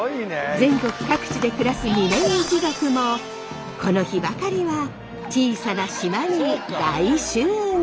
全国各地で暮らす嶺井一族もこの日ばかりは小さな島に大集合！